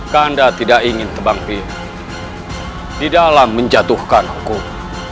kanda tidak ingin terbangkiri di dalam menjatuhkan hukum